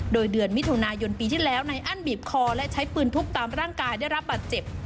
โดยเดือนมิถุนายนปีที่แล้วนายอั้นบีบคอและใช้ปืนทุบตามร่างกายได้รับบาดเจ็บ